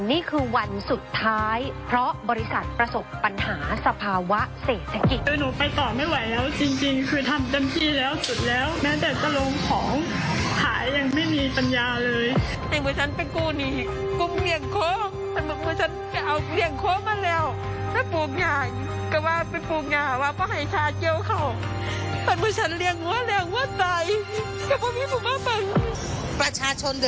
นี่คือวันสุดท้ายเพราะบริษัทประสบปัญหาสภาวะเศรษฐกิจ